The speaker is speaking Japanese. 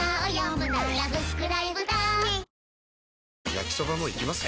焼きソバもいきます？